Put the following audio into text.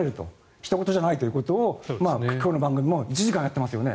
ひとごとじゃないということを今日の番組も１時間やっていますよね。